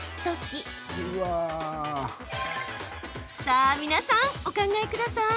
さあ皆さんお考えください。